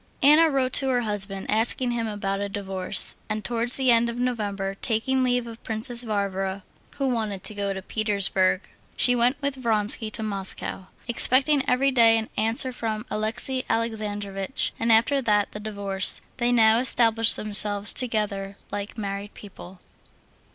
Anna wrote to her husband asking him about a divorce, and towards the end of November, taking leave of Princess Varvara, who wanted to go to Petersburg, she went with Vronsky to Moscow. Expecting every day an answer from Alexey Alexandrovitch, and after that the divorce, they now established themselves together like married people.